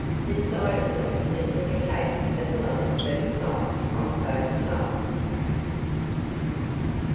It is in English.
Decidedly it was a case of love at first sight on both sides.